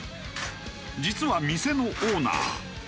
実は店のオーナー。